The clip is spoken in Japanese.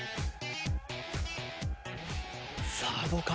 さあどうか？